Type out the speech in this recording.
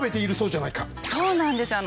そうなんですよ。